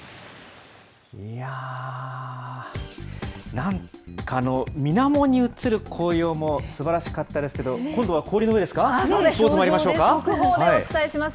いやー、なんか、あの水面に映る紅葉もすばらしかったですけど、今度は氷の上ですか。